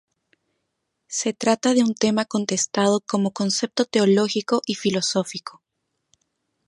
Se trata de un tema contestado como concepto teológico y filosófico.